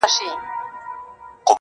په زر چنده مرگ بهتره دی.